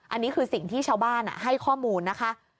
อันนี้คือสิ่งที่ชาวบ้านให้ข้อมูลนะคะ